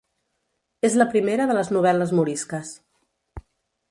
És la primera de les novel·les morisques.